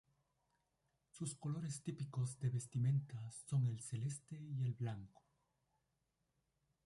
Sus colores típicos de vestimenta son el celeste y el blanco.